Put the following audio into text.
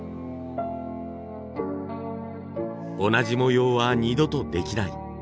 同じ模様は二度とできない。